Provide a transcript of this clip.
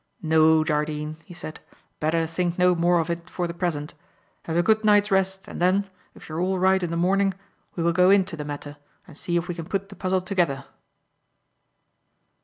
"No, Jardine," he said. "Better think no more of it for the present. Have a good night's rest and then, if you are all right in the morning, we will go into the matter and see if we can put the puzzle together."